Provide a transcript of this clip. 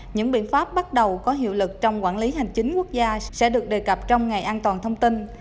những biện pháp bắt đầu có hiệu lực trong quản lý hành chính quốc gia sẽ được đề cập trong ngày an toàn thông tin